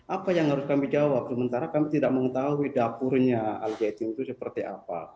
apa yang harus kami jawab sementara kami tidak mengetahui dapurnya al zaitun itu seperti apa